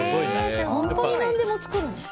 本当に何でも作るんだね。